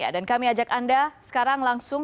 dan kami ajak anda sekarang langsung